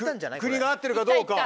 国が合ってるかどうか。